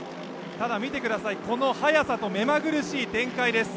ただ見てください、この速さと目まぐるしい展開です。